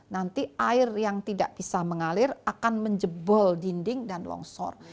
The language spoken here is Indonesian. nanti air yang tidak bisa mengalir akan menjebol dinding dan longsor